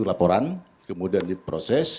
laporan kemudian diproses